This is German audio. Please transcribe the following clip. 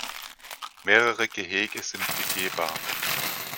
Mehrere Gehege sind begehbar.